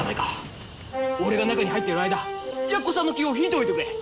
俺が中に入ってる間やっこさんの気を引いておいてくれ。